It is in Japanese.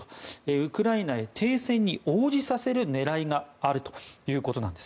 ウクライナへ停戦に応じさせる狙いがあるということなんです。